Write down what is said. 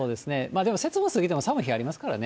でも節分過ぎても寒い日ありますからね。